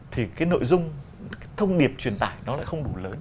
thì cái nội dung cái thông điệp truyền tải nó lại không đủ lớn